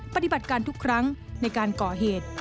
ปฏิบัติการทุกครั้งในการก่อเหตุ